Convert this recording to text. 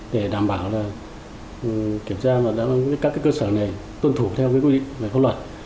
để đảm bảo là kiểm tra các cái cơ sở này tuân thủ theo cái quy định có luật